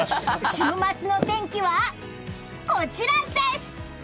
週末の天気はこちらです！